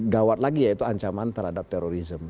gawat lagi ya itu ancaman terhadap terorisme